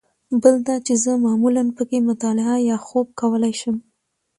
بل دا چې زه معمولاً په کې مطالعه یا خوب کولای شم.